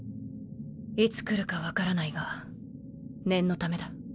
いつ来るか分からないが念のためだ。